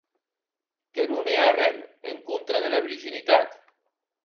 Que non è arren en contra dera virginitat.